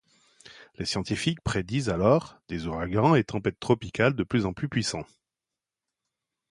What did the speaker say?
Les scientifiques prédisent alors, des ouragans et tempêtes tropicales de plus en plus puissants.